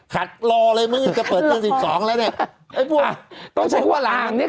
รอเลยมึงจะเปิดตัวสิบสองแล้วเนี่ยไอ้พวกอ่ะต้องใช้คำว่าลางเนี้ย